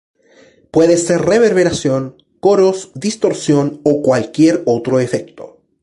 Puede ser reverberación, coros, distorsión, o cualquier otro efecto.